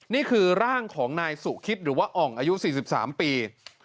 นี่คือร่างของนายสุคิดหรือว่าอ่องอายุ๔๓ปี